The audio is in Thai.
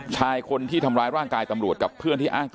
ชายคนที่ทำร้ายร่างกายตำรวจกับเพื่อนนักข่าวนะครับ